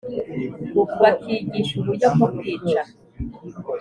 bakigisha uburyo bwo kwica,